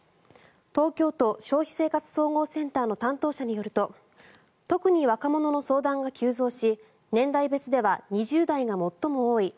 東京都消費生活総合センターの担当者によると特に若者の相談が急増し年代別では２０代が最も多い。